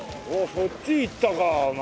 そっち行ったかお前。